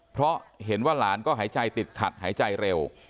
เพราะเห็นว่าหลานก็หายใจติดขัดหายใจเร็ว